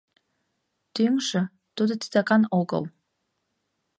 Тӱҥжӧ — тудо титакан огыл.